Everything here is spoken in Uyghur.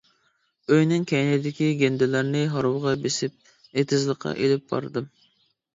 ئۆينىڭ كەينىدىكى گەندىلەرنى ھارۋىغا بېسىپ، ئېتىزلىققا ئېلىپ باردىم.